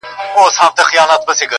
سل ځله یې زموږ پر کچکولونو زهر وشیندل،